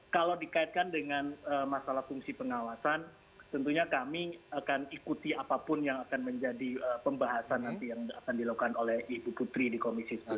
kalau dikaitkan dengan masalah fungsi pengawasan tentunya kami akan ikuti apapun yang akan menjadi pembahasan nanti yang akan dilakukan oleh ibu putri di komisi satu